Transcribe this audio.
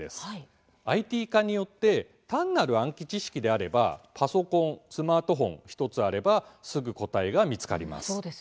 ＩＴ化によって単なる暗記知識であればパソコン、スマートフォン１つあればすぐ答えが見つかります。